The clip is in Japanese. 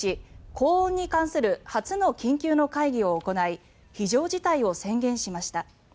高温に関する初の緊急の会議を行い非常事態を宣言しました。